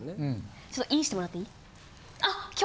ちょっとイーしてもらっていい？